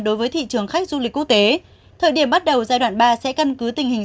đối với thị trường khách du lịch quốc tế thời điểm bắt đầu giai đoạn ba sẽ căn cứ tình hình